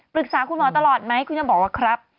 ปรึกษาคุณหมอตลอดไหมคุณยังบอกว่าครับ